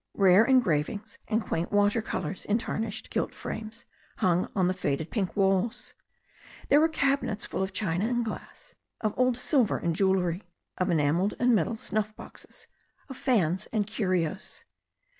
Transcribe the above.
Rare engravings and quaint water colours, in tarnished gilt frames, hung on the. faded pink walls. There were cabinets full of china and glass, of old silver and jewellery, of enamelled and metal snuff boxes, of fans and curios.